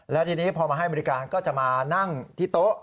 แล้วทีนี้พอมาให้บริการก็จะมานั่งที่โต๊ะ